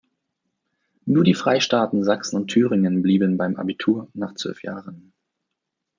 Nur die Freistaaten Sachsen und Thüringen blieben beim Abitur nach zwölf Jahren.